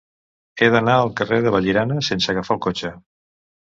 He d'anar al carrer de Vallirana sense agafar el cotxe.